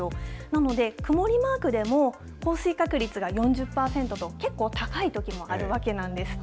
なので、曇りマークでも降水確率が４０％と、結構高いときもあるわけなんです。